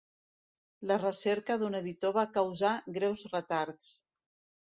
La recerca d'un editor va causar greus retards.